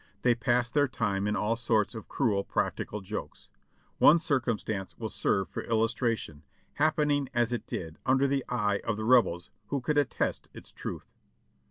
They passed their time in all sorts of cruel practical jokes. One circumstance will serve for illustration, happening as it did under the eye of the Rebels, who could attest its truth.